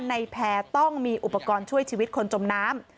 ในแพร่ต้องมีอุปกรณ์ช่วยชีวิตคนจมน้ำ